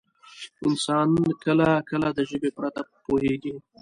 انسان کله کله د ژبې پرته پوهېږي.